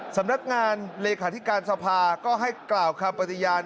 สำนักงานเลขาธิการสภาก็ให้กล่าวคำปฏิญาณ